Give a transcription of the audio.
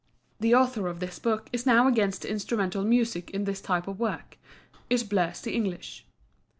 The author of this book is now against instrumental music in this type of work. It blurs the English.